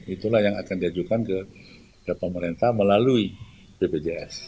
itulah yang akan diajukan ke pemerintah melalui bpjs